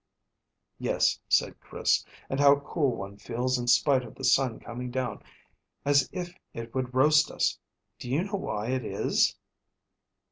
"Yes," said Chris; "and how cool one feels in spite of the sun coming down as if it would roast us. Do you know why it is?"